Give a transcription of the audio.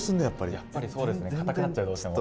やっぱりそうですね硬くなっちゃうどうしても。